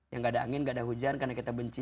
yang gak ada angin nggak ada hujan karena kita benci